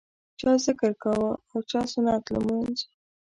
چا ذکر کاوه او چا سنت لمونځ.